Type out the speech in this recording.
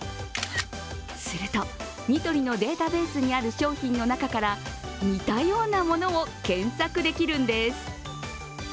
すると、ニトリのデータベースにある商品の中から似たようなものを検索できるんです。